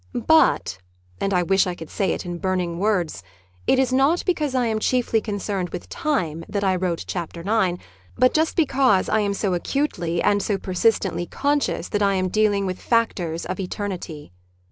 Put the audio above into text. But— and I wish I could say it in burning words— it is not because I am chiefly concerned with Time that I wrote Chapter IX., but just because I am so acutely and so per sistently conscious that I am dealing with factors of Eternity.